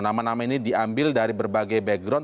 nama nama ini diambil dari berbagai background